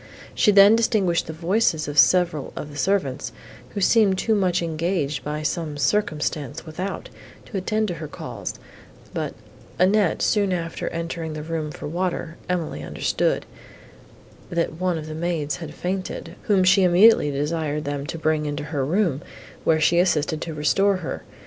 She then distinguished the voices of several of the servants, who seemed too much engaged by some circumstance without, to attend to her calls; but, Annette soon after entering the room for water, Emily understood, that one of the maids had fainted, whom she immediately desired them to bring into her room, where she assisted to restore her.